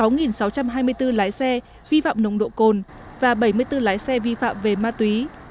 cảnh sát giao thông đã phát hiện và xử lý sáu sáu trăm hai mươi bốn lái xe vi phạm nồng độ cồn và bảy mươi bốn lái xe vi phạm về ma túy